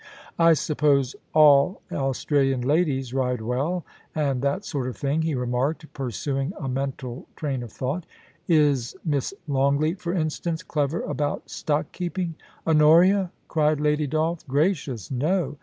* I suppose all Australian ladies ride well, and that sort of thing,' he remarked, pursuing a mental train of thought *Is Miss Longleat, for instance, clever about stock keeping ?'' Honoria !' cried Lady Dolph ;' gracious, no